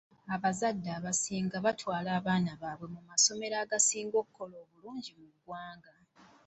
Abazadde abasinga batwala abaana baabwe mu masomero agasinga okukola obulungi mu ggwanga.